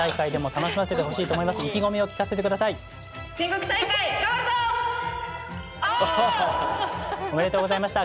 オ！おめでとうございました！